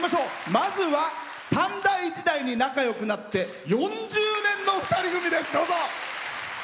まずは短大時代に仲よくなって４０年の２人組です。